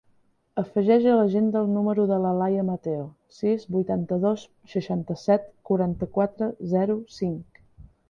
Afegeix a l'agenda el número de l'Alaia Mateo: sis, vuitanta-dos, seixanta-set, quaranta-quatre, zero, cinc.